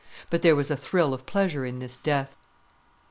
But there was a thrill of pleasure in this death.